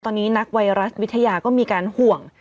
ตอนนี้นักไวรัสวิทยาก็มีการห่วง